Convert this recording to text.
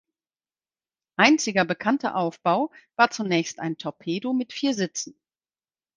Einziger bekannter Aufbau war zunächst ein Torpedo mit vier Sitzen.